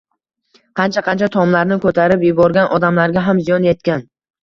Qancha-qancha tomlarni ko‘tarib yuborgan, odamlarga ham ziyon yetgan